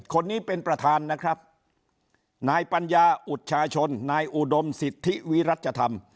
คนนี้เป็นประธานนะครับนายปัญญาอุจชาชนนายอุดมสิทธิวิรัชธรรม